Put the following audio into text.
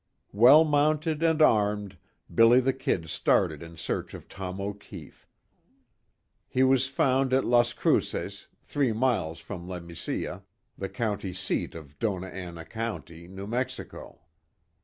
Well mounted and armed, "Billy the Kid" started in search of Tom O'Keefe. He was found at Las Cruces, three miles from La Mesilla, the County seat of Dona Ana County, New Mexico.